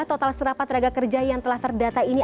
total serapan tenaga kerja yang telah terdata ini